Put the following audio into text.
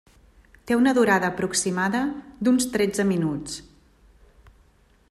Té una durada aproximada d'uns tretze minuts.